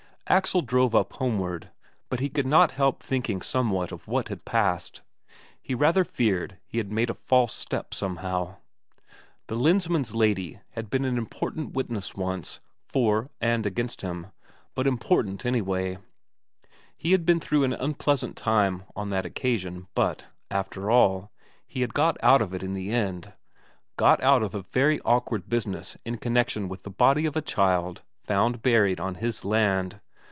Axel drove up homeward, but he could not help thinking somewhat of what had passed; he rather feared he had made a false step somehow. The Lensmand's lady had been an important witness once; for and against him, but important anyway. He had been through an unpleasant time on that occasion, but, after all, he had got out of it in the end got out of a very awkward business in connection with the body of a child found buried on his land.